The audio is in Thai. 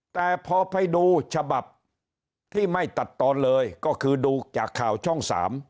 แต่พอไปดูฉบับที่ไม่ตัดตอนเลยก็คือดูจากข่าวช่อง๓